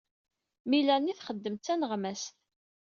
Melanie txeddem d taneɣmast.